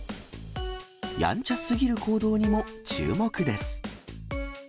やんちゃすぎる行動にも注目です。